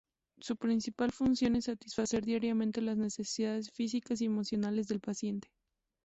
Su principal función es satisfacer diariamente las necesidades físicas y emocionales del paciente.